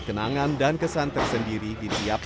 kenangan dan kesan tersendiri di tiap